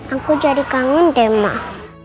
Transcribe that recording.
aku jadi kangen deh mah